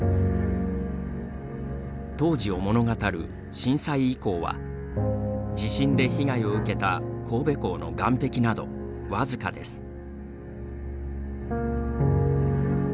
当時を物語る震災遺構は地震で被害を受けた神戸港の岸壁など僅かです。